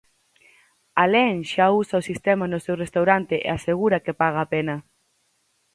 Alén xa usa o sistema no seu restaurante e asegura que paga a pena.